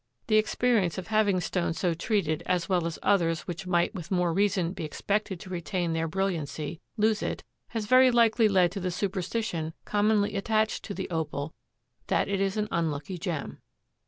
The experience of having stones so treated as well as others which might with more reason be expected to retain their brilliancy, lose it, has very likely led to the superstition commonly attached to the Opal that it is an unlucky gem.